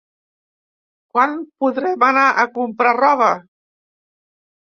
Quan podrem anar a comprar roba?